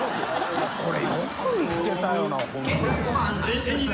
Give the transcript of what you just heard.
これよく見つけたよな